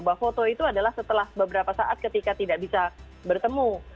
bahwa foto itu adalah setelah beberapa saat ketika tidak bisa bertemu